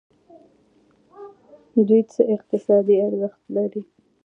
دوی څه اقتصادي ارزښت لري.